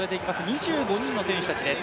２５人の選手たちです。